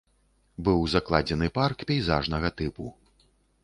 Быў закладзены парк пейзажнага тыпу.